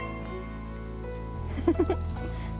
フフフフッ。